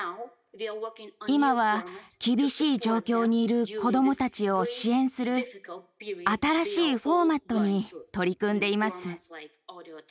今は厳しい状況にいる子どもたちを支援する新しいフォーマットに取り組んでいます。